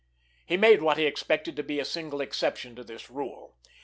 He made what he expected to be a single exception to this rule.